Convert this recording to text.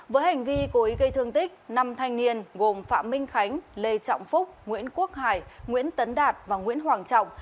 với hành vi cố ý gây thương tích năm thanh niên gồm phạm minh khánh lê trọng phúc nguyễn quốc hải nguyễn tấn đạt và nguyễn hoàng trọng